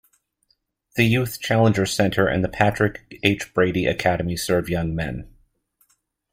The Youth Challenge Center and the Patrick H. Brady Academy serve young men.